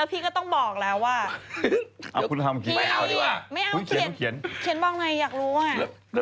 เขียนบ้างไหนอยากรู้